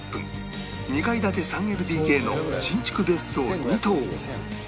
２階建て ３ＬＤＫ の新築別荘２棟